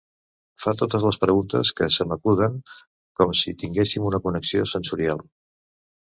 Fa totes les preguntes que se m'acuden, com si tinguéssim una connexió sensorial.